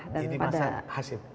jadi masa hasim